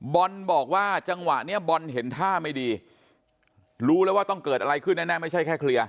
บอลบอกว่าจังหวะนี้บอลเห็นท่าไม่ดีรู้แล้วว่าต้องเกิดอะไรขึ้นแน่ไม่ใช่แค่เคลียร์